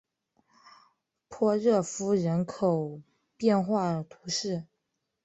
波热夫人口变化图示